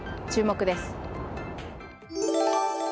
注目です。